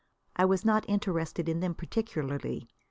I was not interested in them particularly.